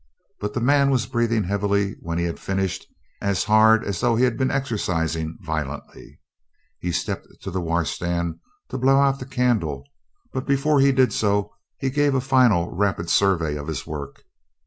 But the man was breathing heavily when he had finished, as hard as though he had been exercising violently. He stepped to the washstand to blow out the candle, but before he did so he gave a final rapid survey of his work.